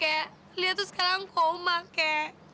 kakek dia tuh sekarang koma kek